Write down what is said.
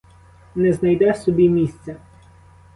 Не знайде собі місця.